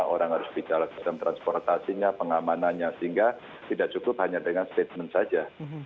orang harus bicara sistem transportasinya pengamanannya sehingga tidak cukup hanya dengan statement saja